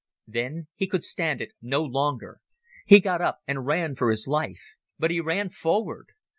Then he could stand it no longer. He got up and ran for his life. But he ran forward.